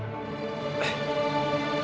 tunggu sebentar ya